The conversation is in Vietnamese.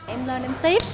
em lên em tiếp